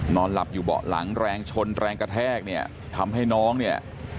นอนหลับอยู่เบาะหลังแรงชนแรงกระแทกเนี่ยทำให้น้องเนี่ย